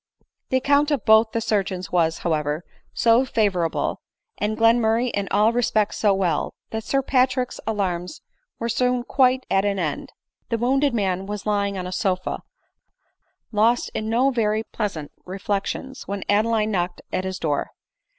The account of both the surgeons was, however, so fa vorable, and Glenmurray in all respects so well, that Sir Patrick's alarms were soon quite at an end ; and the wound ed man was lying on a sofa, lost in no very pleasant re flections, when Adeline knocked at his door.